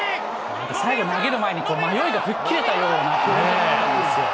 最後、投げる前に迷いが吹っ切れたような表情だったんですよ。